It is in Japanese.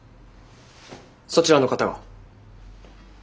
そちらの方が。